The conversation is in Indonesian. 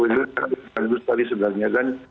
itu tadi sebenarnya